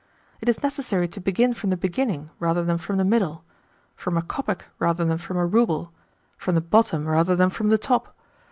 It is necessary to begin from the beginning rather than from the middle; from a kopeck rather than from a rouble; from the bottom rather than from the top.